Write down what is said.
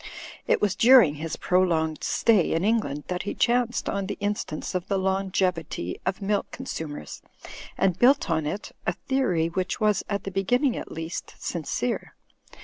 It was during his prolonged stay in England that he chanced on the instance of the long evity of milk consumers, and built on it a theory which was, at the beginning at least, sincere.'